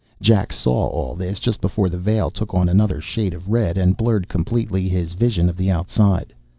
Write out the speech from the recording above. Jack saw all this just before the veil took on another shade of red and blurred completely his vision of the outside.